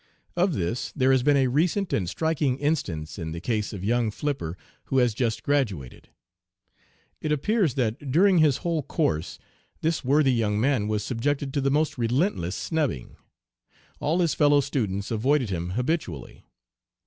Of this there has been a recent and striking instance In the case of young Flipper who has just graduated. It appears that during his whole course this worthy young man was subjected to the most relentless 'snubbing.' All his fellow students avoided him habitually.